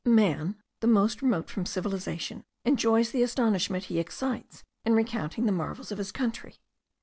Man, the most remote from civilization, enjoys the astonishment he excites in recounting the marvels of his country.